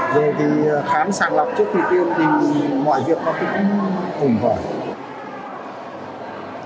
và chấp hành nghiêm túc